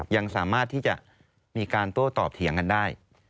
ยังสามารถที่จะมีการโต้ตอบเถียงกันได้